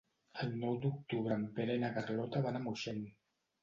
El nou d'octubre en Pere i na Carlota van a Moixent.